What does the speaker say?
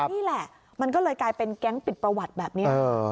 นี่แหละมันก็เลยกลายเป็นแก๊งปิดประวัติแบบนี้